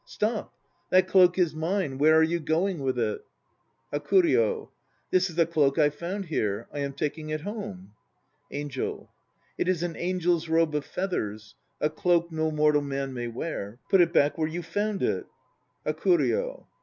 Stop! That cloak is mine. Where are you going with it? HAKURYO. This is a cloak I found here. I am taking it home. ANGEL It is an angel's robe of feathers, a cloak no mortal man may wear. Put it back where you found it. HAKURYO.